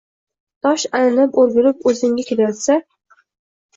tosh aylanib o‘rgulib o‘zingga kelayotsa